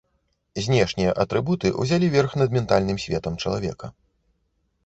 Знешнія атрыбуты ўзялі верх над ментальным светам чалавека.